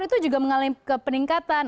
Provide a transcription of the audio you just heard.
itu juga mengalami kepeningkatan